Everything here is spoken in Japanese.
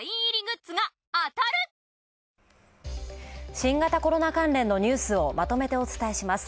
新型コロナ関連のニュースをまとめてお伝えします。